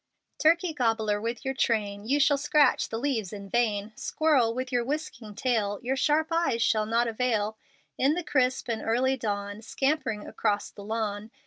Turkey gobbler, with your train, You shall scratch the leaves in vain; Squirrel, with your whisking tail, Your sharp eyes shall not avail; In the crisp and early dawn, Scampering across the lawn.